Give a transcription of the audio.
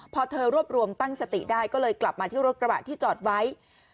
พอเธอรวบรวมตั้งสติได้ก็เลยกลับมาที่รถกระบะที่จอดไว้